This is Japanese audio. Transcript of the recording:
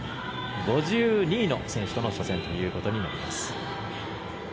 ５２位の選手との初戦ということになります。